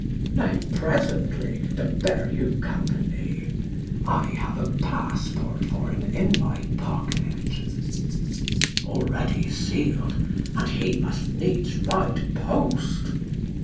Nay, presently, to bear you company. I have a passport for him in my pocket, 68 KING LEIR AND [Acr IV Already seal'd, and he must needs ride post.